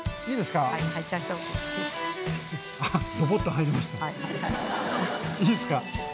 いいですか？